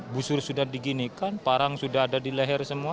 busur sudah diginikan parang sudah ada di leher semua